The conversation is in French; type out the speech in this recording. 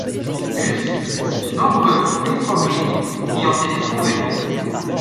De plus, de nombreux pétroglyphes y ont été trouvées.